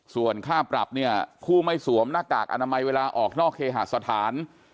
ส่วนค่าปรับเนี่ยผู้ไม่สวมหน้ากากอนามัยเวลาออกนอกเคหาสถาน